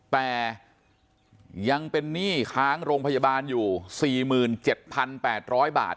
แต่ยังเป็นนี่ค้างโรงพยาบาลอยู่สี่หมื่นเจ็ดพันแปดร้อยบาท